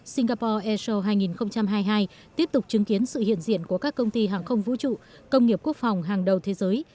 singapore airshow hai nghìn hai mươi hai tiếp tục chứng kiến sự hiện diện của các công ty hàng không vũ trụ công nghiệp quốc phòng hàng đầu thế giới